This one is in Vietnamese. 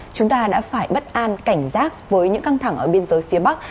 chúng ta đã phải bất an cảnh giác với những căng thẳng ở biên giới phía bắc